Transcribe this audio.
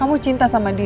kamu cinta sama dia